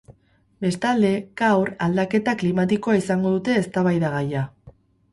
Bestalde, gaur aldaketa klimatikoa izango dute eztabaidagaia.